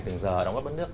từng giờ đóng góp bất nước